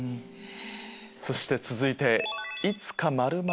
そして続いて。